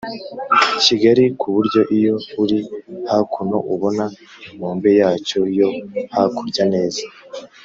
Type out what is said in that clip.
kigari ku buryo iyo uri hakuno ubona inkombe yacyo yo hakurya neza.